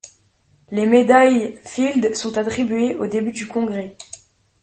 Les médailles Fields sont attribuées au début du congrès.